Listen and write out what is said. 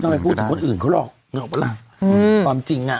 ไม่พูดถึงคนอื่นเขาหรอกนึกออกปะล่ะอืมความจริงอ่ะ